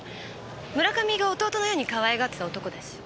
村上が弟のようにかわいがってた男だし。